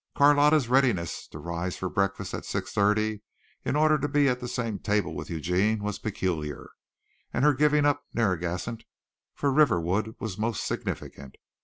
Carlotta's readiness to rise for breakfast at six thirty in order to be at the same table with Eugene was peculiar, and her giving up Narragansett for Riverwood was most significant.